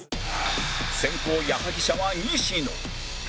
先攻矢作舎は西野